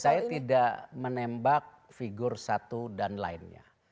saya tidak menembak figur satu dan lainnya